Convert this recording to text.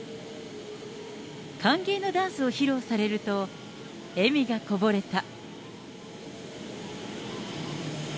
歓迎のダンスを披露されると、えみがこぼれた。